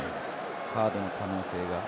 カードの可能性が。